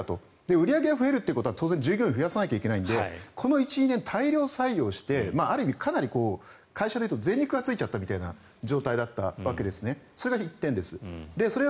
売り上げが増えるということは当然、従業員を増やさないといけないのでこの１２年かなり大量採用して会社で言うと贅肉がついちゃったという状態それが１点です。